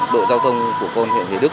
đội giao thông của côn hiệu thế đức